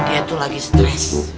dia tuh lagi stres